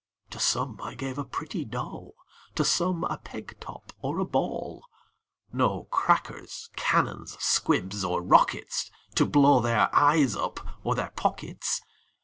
To some I gave a pretty doll, To some a peg top, or a ball; No crackers, cannons, squibs, or rockets, To blow their eyes up, or their pockets.